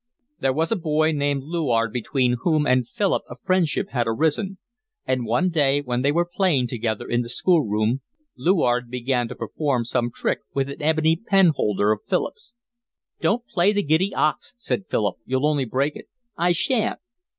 There was a boy called Luard between whom and Philip a friendship had arisen, and one day, when they were playing together in the school room, Luard began to perform some trick with an ebony pen holder of Philip's. "Don't play the giddy ox," said Philip. "You'll only break it." "I shan't."